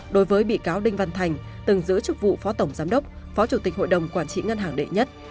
đối với bị cáo đinh văn thành từng giữ chức vụ phó tổng giám đốc phó chủ tịch hội đồng quản trị ngân hàng đệ nhất